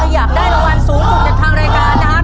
อยากได้รางวัลสูงสุดจากทางรายการนะครับ